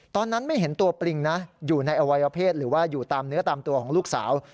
ตอนนั้นไม่เห็นตัวปริงนะอยู่ในอวัยวเพศหรือว่าอยู่ตามเนื้อตามตัวของลูกสาว